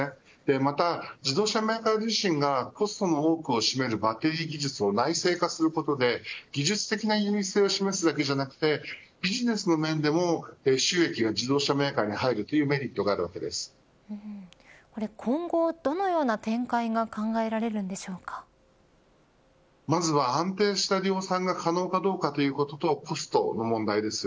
また、自動車メーカー自身がコストの多くを占めるバッテリー技術を内製化することで技術的な優位性を示すだけでなくビジネスの面でも収益が自動車メーカーに入る今後どのような展開がまずは安定した量産が可能かどうかということとコストの問題です。